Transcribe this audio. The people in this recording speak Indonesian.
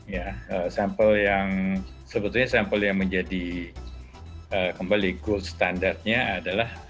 ya sampel yang sebetulnya sampel yang menjadi kembali gold standarnya adalah